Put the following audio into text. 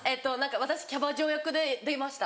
私キャバ嬢役で出ました。